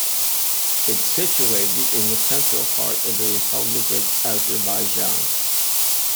It's situated in the central part of Republic of Azerbaijan.